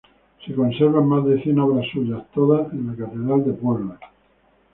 Se conservan más de cien obra suyas, todas en la Catedral de Puebla.